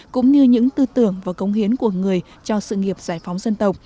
cũng như những tư tưởng và công hiến của người cho sự nghiệp giải phóng dân tộc